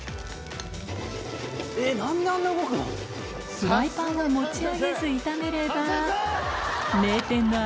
フライパンは持ち上げず炒めれば名店の味